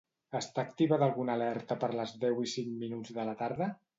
Està activada alguna alerta per les deu i cinc minuts de la tarda?